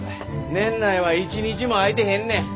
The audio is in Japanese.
年内は一日も空いてへんねん。